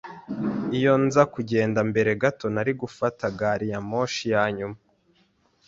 Iyo nza kugenda mbere gato, nari gufata gari ya moshi ya nyuma.